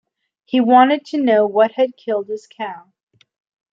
He wanted to know what had killed his cow.